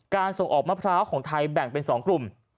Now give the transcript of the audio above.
ส่งออกมะพร้าวของไทยแบ่งเป็น๒กลุ่ม